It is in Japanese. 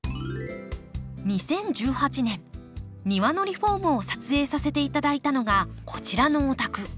２０１８年庭のリフォームを撮影させて頂いたのがこちらのお宅。